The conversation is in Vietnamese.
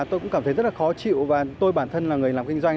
tôi cũng cảm thấy rất là khó chịu và tôi bản thân là người làm kinh doanh